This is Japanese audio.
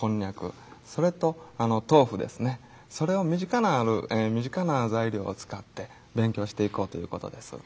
それを身近な身近な材料を使って勉強していこうということです。